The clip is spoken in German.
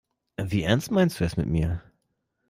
Wie ernst meinst du es mit mir?